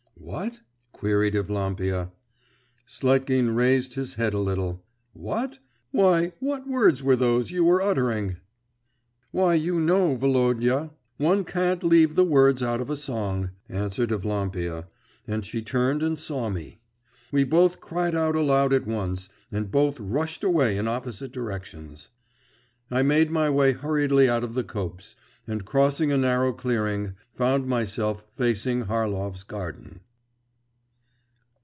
'What?' queried Evlampia. Sletkin raised his head a little. 'What? Why, what words were those you were uttering?' 'Why, you know, Volodya, one can't leave the words out of a song,' answered Evlampia, and she turned and saw me. We both cried out aloud at once, and both rushed away in opposite directions. I made my way hurriedly out of the copse, and crossing a narrow clearing, found myself facing Harlov's garden.